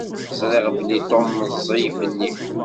Ẓṛiɣ belli Tom meẓẓi fell-i.